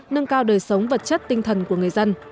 nâng cao đời sống vật chất tinh thần của người dân